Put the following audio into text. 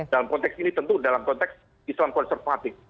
dalam konteks ini tentu dalam konteks islam konservatif